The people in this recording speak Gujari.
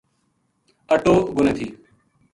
اَٹو گھُنے تھی